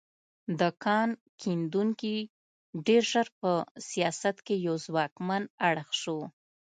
دا کان کیندونکي ډېر ژر په سیاست کې یو ځواکمن اړخ شو.